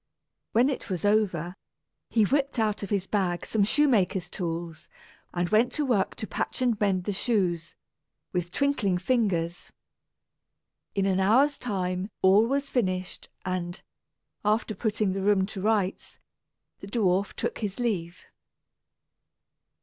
When it was over, he whipped out of his bag some shoemaker's tools, and went to work to patch and mend the shoes, with twinkling fingers. In an hour's time all was finished and, after putting the room to rights, the dwarf took his leave.